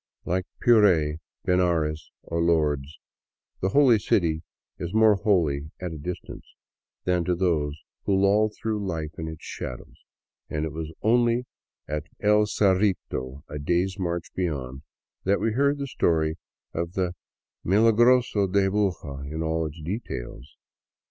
Like Puree, Benares, or Lourdes, the holy city is more holy at a dis tance, than to those who loll through life in its shadows, and it was only at El Cerrito, a day's march beyond, that we heard the story of the Milagroso de Buga in all its details.